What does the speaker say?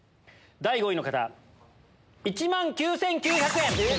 第５位の方１万９９００円。